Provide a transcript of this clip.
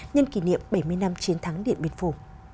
nhân kỷ niệm bảy mươi năm chiến thắng điện biên phủ